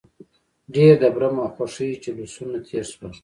ډېر د برم او خوښۍ جلوسونه تېر شول.